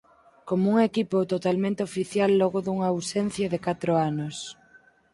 Como un equipo totalmente oficial logo dunha ausencia de catro anos.